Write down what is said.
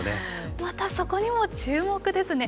またそこにも注目ですね。